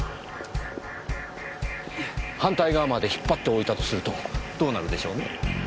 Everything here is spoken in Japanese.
反対側まで引っ張っておいたとするとどうなるでしょうね？